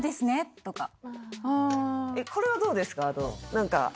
「へー」これはどうですか？